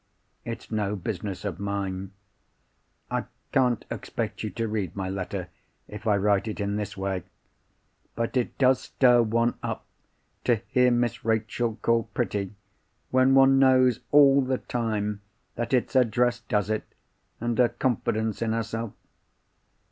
It's no business of mine. I can't expect you to read my letter, if I write it in this way. But it does stir one up to hear Miss Rachel called pretty, when one knows all the time that it's her dress does it, and her confidence in herself.